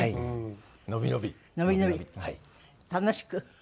楽しく。